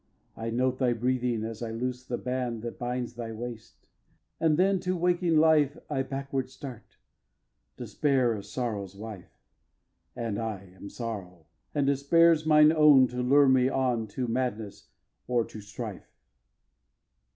I note thy breathing as I loose the band That binds thy waist, and then to waking life I backward start! Despair is Sorrow's wife; And I am Sorrow, and Despair's mine own, To lure me on to madness or to strife.